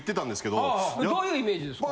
どういうイメージですか？